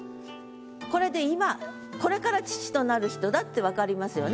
これで今これから父となる人だってわかりますよね。